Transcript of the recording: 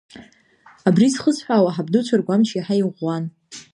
Абри зхысҳәаауа, ҳабдуцәа ргәамч иаҳа иӷәӷәан.